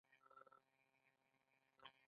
هره ورځ یوه اندازه توکي پلورل کېږي